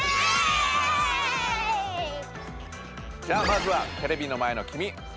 じゃあまずはテレビの前のきみ！